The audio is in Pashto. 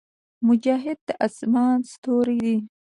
مجاهد د اسمان ستوری دی.